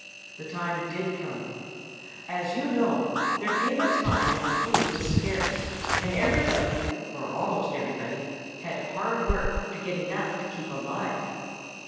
"The time did come. As you know, there came a time when food was scarce, and everybody, or almost everybody, had hard work to get enough to keep alive.